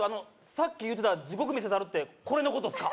さっき言うてた「地獄見せたる」ってこれのことっすか？